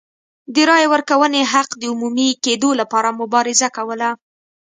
د رایې ورکونې حق د عمومي کېدو لپاره مبارزه کوله.